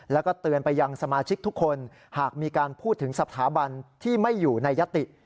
แล้วก็เตือนไปยังสมาชิกทุกคนหากมีการพูดถึงสถาบันที่ไม่อยู่ในยติ